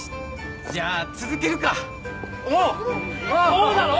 そうだろ？